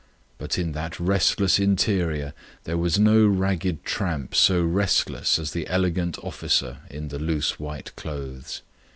But in that restless interior there was no ragged tramp so restless as the elegant officer in the loose white clothes.